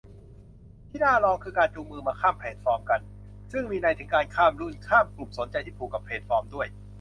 ที่น่าลองคือการจูงมือมาข้ามแพลตฟอร์มกัน ซึ่งมีนัยถึงการข้ามรุ่น-ข้ามกลุ่มสนใจที่ผูกกับแพลตฟอร์มด้วย